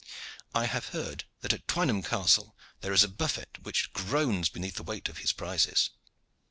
I have heard that at Twynham Castle there is a buffet which groans beneath the weight of his prizes."